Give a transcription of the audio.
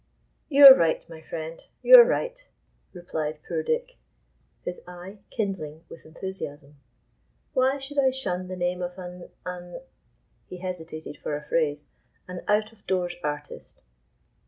"You are right, my friend—you are right," replied poor Dick, his eye kindling with enthusiasm; "why should I shun the name of an—an—(he hesitated for a phrase)—an out of doors artist?